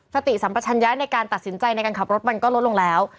สัมปชัญญะในการตัดสินใจในการขับรถมันก็ลดลงแล้ว